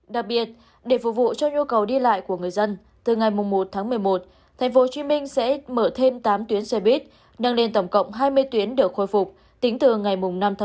đặc biệt để phục vụ cho nhu cầu đi lại của người dân từ ngày một tháng một mươi một tp hcm sẽ mở thêm tám tuyến xe buýt nâng lên tổng cộng hai mươi tuyến được khôi phục tính từ ngày năm tháng một mươi